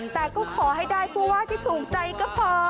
แต่ก็ขอให้ได้ผู้ว่าที่ถูกใจก็พอ